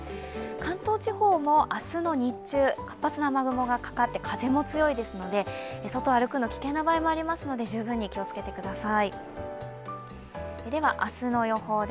関東地方も明日の日中、活発な雨雲がかかって風も強いですので、外を歩くのが危険な場合もありますので十分に気をつけてください。